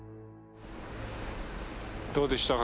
どうでしたか？